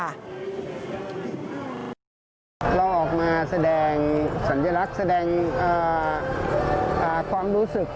เราออกมาแสดงสัญลักษณ์แสดงความรู้สึก